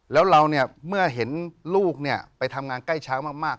แล้วเราเนี่ยเมื่อเห็นลูกไปทำงานใกล้ช้างมาก